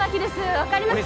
分かりますか？